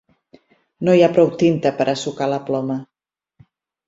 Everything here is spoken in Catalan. No hi ha prou tinta per a sucar la ploma.